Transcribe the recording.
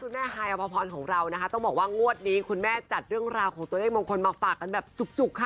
แม่ฮายอภพรของเรานะคะต้องบอกว่างวดนี้คุณแม่จัดเรื่องราวของตัวเลขมงคลมาฝากกันแบบจุกค่ะ